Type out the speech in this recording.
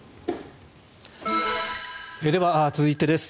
では続いてです。